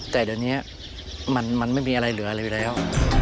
แต่เดี๋ยวนี้มันไม่มีอะไรเหลืออะไรอยู่แล้ว